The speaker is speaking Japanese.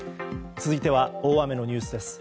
続いては大雨のニュースです。